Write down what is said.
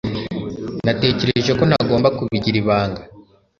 Natekereje ko ntagomba kubigira ibanga